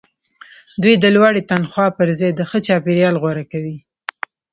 دوی د لوړې تنخوا پرځای د ښه چاپیریال غوره کوي